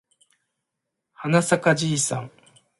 はなさかじいさん